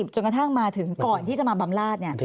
จนกระทั่งมาถึงก่อนที่จะมาบำราช